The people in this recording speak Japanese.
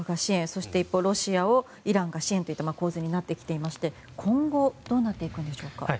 そして一方、ロシアをイランが支援といった構図になってきていまして今後どうなっていくんでしょうか。